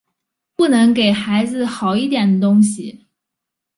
不能给孩子好一点的东西